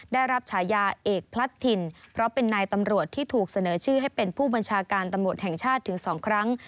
ได้รับฉายาเอกพลัดถิ่นเพราะเป็นนายตำรวจที่ถูกเสนอชื่อให้เป็นผู้บัญชาการตำรวจแห่งชาติถึง๒ครั้ง